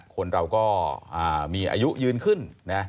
คนเราก็มีอายุยืนขึ้นนะ